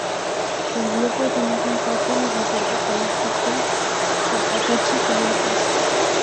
El río pertenece, en parte, en la Reserva ecológica Cotacachi-Cayapas.